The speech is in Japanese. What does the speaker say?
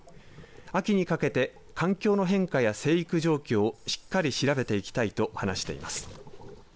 秋にかけて環境の変化や生育状況をしっかり調べていきたいと話しています。